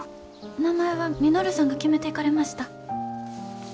名前は稔さんが決めていかれました。